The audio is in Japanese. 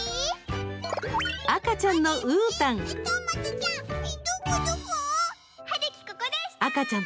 赤ちゃんの、うーたん。